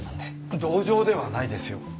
同情ではないですよ。